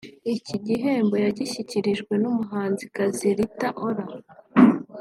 Iki gihembo yagishyikirijwe n’umuhanzikazi Rita Ora